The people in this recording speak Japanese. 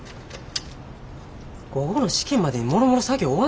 午後の試験までにもろもろ作業終わんのか？